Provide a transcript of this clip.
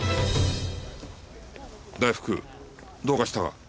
大福どうかしたか？